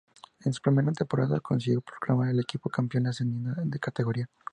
En su primera temporada, consiguió proclamar al equipo campeón, ascendiendo de categoría.